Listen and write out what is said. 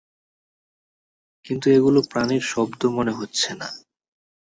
কিন্তু এগুলো প্রাণির শব্দ মনে হচ্ছেনা।